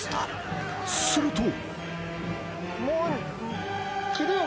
［すると］